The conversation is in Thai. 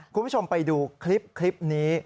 คุณผู้ชมไปดูคลิปนี้